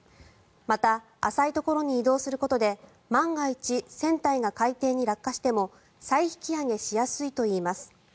また、浅いところに移動することで万が一船体が海底に落下しても再引き揚げしやすいといいます。